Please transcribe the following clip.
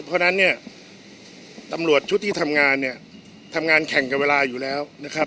เพราะฉะนั้นเนี่ยตำรวจชุดที่ทำงานเนี่ยทำงานแข่งกับเวลาอยู่แล้วนะครับ